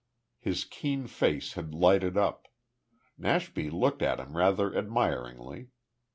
His keen face had lighted up. Nashby looked at him rather admiringly.